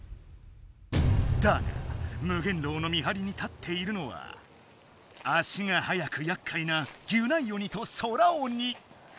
だが無限牢の見張りに立っているのは足が速くやっかいなギュナイ鬼とソラ鬼！